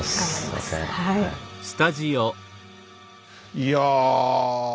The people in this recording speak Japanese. いや。